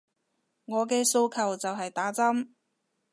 我嘅訴求就係打針